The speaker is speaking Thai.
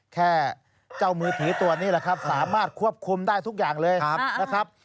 แค่เจ้ามือผีตัวนี้แหละครับสามารถควบคุมได้ทุกอย่างเลยนะครับ